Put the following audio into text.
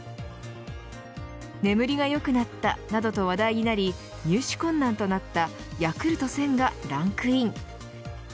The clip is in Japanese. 眠りが良くなったなどと話題になり入手困難となったＹａｋｕｌｔ１０００がランクイン。